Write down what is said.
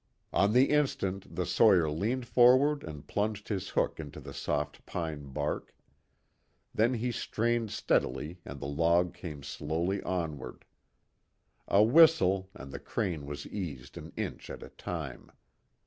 On the instant the sawyer leant forward and plunged his hook into the soft pine bark. Then he strained steadily and the log came slowly onward. A whistle, and the crane was eased an inch at a time.